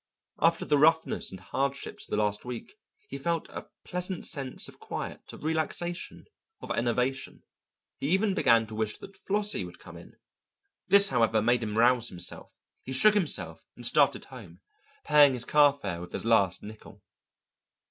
After the roughness and hardships of the last week he felt a pleasant sense of quiet, of relaxation, of enervation. He even began to wish that Flossie would come in. This, however, made him rouse himself; he shook himself, and started home, paying his carfare with his last nickel.